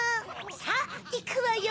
さぁいくわよ！